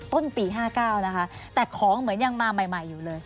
ต้นปี๕๙นะคะแต่ของเหมือนยังมาใหม่อยู่เลย